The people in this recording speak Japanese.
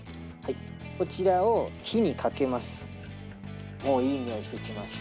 こちらを火にかけます。